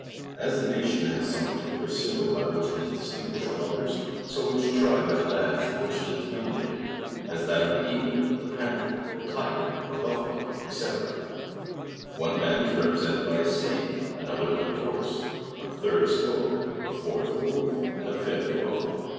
As the nation has some particu lar symbol by which it is d 8 inguished from others, so each tribe has a badge from which it is denominated; as that of the Eagie, the Panther, the Tiger, the Buffalo, &c. One band is represented by a Snake, ano .her a i ortoise, a third a Squirrel, a fourth a Wolf, and a fifth a Buffalo.